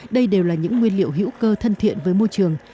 đây đều là những nguyên liệu hữu cơ thân thiện với môi trường